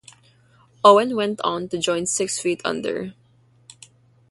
Owen went on to join Six Feet Under.